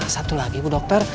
satu lagi bu dokter